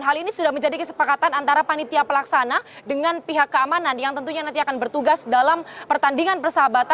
hal ini sudah menjadi kesepakatan antara panitia pelaksana dengan pihak keamanan yang tentunya nanti akan bertugas dalam pertandingan persahabatan